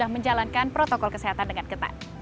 menjalankan protokol kesehatan dengan ketat